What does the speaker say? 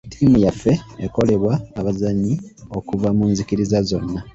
Ttiimu yaffe ekolebwa abazannyi okuva mu nzikiriza zonna.